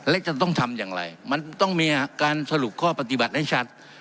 และจะต้องทำอย่างไรมันต้องมีการสรุปข้อปฏิบัติให้ชัด